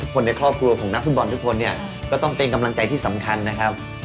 คนในครอบครัวของนักฟุตบอลทุกคนเนี่ยก็ต้องเป็นกำลังใจที่สำคัญนะครับ